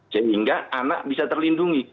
sehingga anak bisa terlindungi